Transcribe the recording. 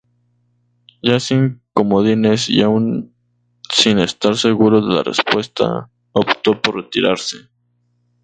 Ya sin comodines y aun sin estar seguro de la respuesta opto por retirarse.